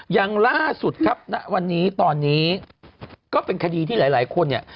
อย่างล่าสุดครับณวันนี้ตอนนี้ก็เป็นคดีที่หลายคนเนี่ย